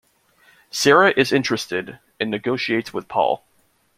Sarah is interested and negotiates with Paul.